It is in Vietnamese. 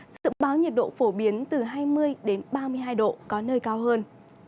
sự báo nhiệt độ phổ biến từ hai mươi ba mươi hai độ có nơi cao hơn